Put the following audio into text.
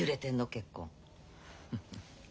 結婚。